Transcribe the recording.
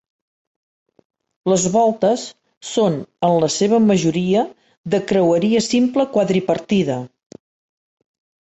Les voltes són en la seva majoria de creueria simple quadripartida.